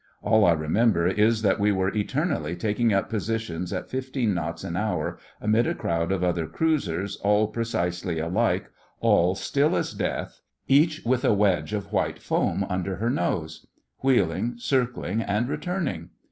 All I remember is that we were eternally taking up positions at fifteen knots an hour amid a crowd of other cruisers, all precisely alike, all still as death, each with a wedge of white foam under her nose; wheeling, circling, and returning.